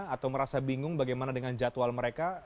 atau merasa bingung bagaimana dengan jadwal mereka